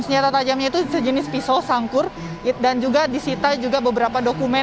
senjata tajamnya itu sejenis pisau sangkur dan juga disita juga beberapa dokumen